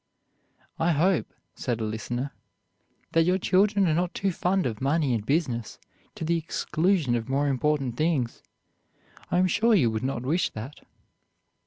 "I hope," said a listener, "that your children are not too fond of money and business to the exclusion of more important things. I am sure you would not wish that."